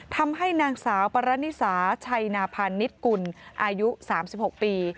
ทำให้นางสาวปรณิสาชัยนาพาณิชกุลอายุ๓๖ปี